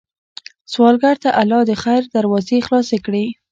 سوالګر ته الله د خیر دروازې خلاصې کړې